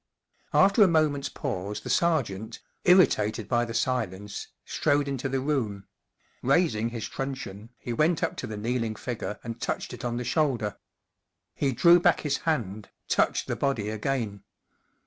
A FTER a moment's pause the sergeant, irritated by the silence, strode into the room; raising his truncheon, he went up to the kneeling figure and touched it on the shoulder. He drew back his hand, touched the body again.